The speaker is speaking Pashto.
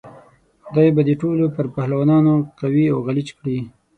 خدای به دې پر ټولو پهلوانانو قوي او غلیچ کړي.